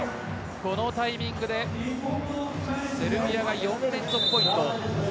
このタイミングでセルビアが４連続ポイント。